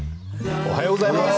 おはようございます。